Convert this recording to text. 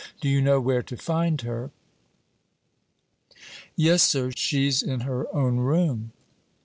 Do you know where to find her?" "Yes, sir; she's in her own room.